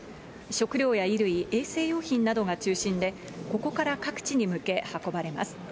食料や衣類、衛生用品などが中心で、ここから各地に向け運ばれます。